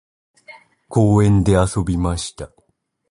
公園で遊びました。